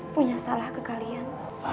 punya salah ke kalian